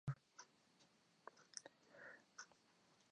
Esto aplica de igual manera para sus equivalentes en la Armada.